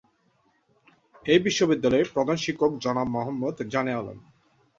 এ বিদ্যালয়ের প্রধান শিক্ষক জনাব মোহাম্মদ জানে আলম।